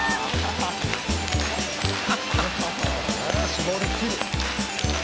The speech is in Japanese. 「絞り切る」。